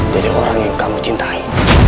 dari orang yang kamu cintai